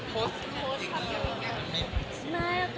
โพสต์ติดอีกแกรกเป็นเชฟ